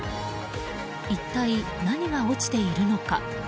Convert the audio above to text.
一体、何が落ちているのか。